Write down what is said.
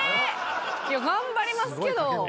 いや頑張りますけど。